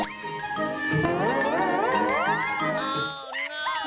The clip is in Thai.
อยากข้ามถนนกระทันหัน